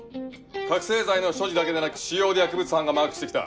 覚醒剤の所持だけでなく使用で薬物班がマークして来た。